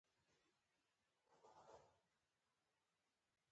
بیا هم دواړه کورنۍ تر ډېره په واک کې پاتې شوې.